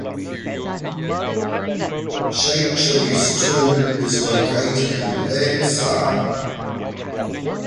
Sheikh Chilli's Tomb is located in Thanesar.